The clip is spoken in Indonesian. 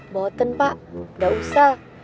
boten pak nggak usah